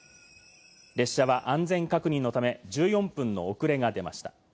列車は安全確認のため、１４分の遅れが出ました。